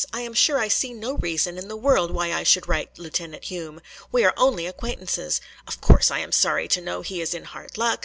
I am sure I see no reason in the world why I should write Lieutenant Hume. We are only acquaintances. Of course, I am sorry to know he is in hard luck.